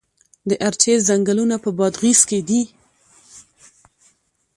د ارچې ځنګلونه په بادغیس کې دي؟